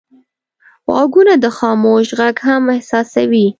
غوږونه د خاموش غږ هم احساسوي